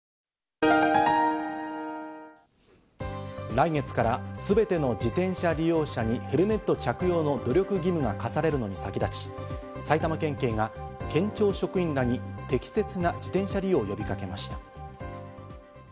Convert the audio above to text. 来月からすべての自転車利用者にヘルメット着用の努力義務が課されるのに先立ち、埼玉県警が県庁職員らに適切な自転車利用を呼びかけました。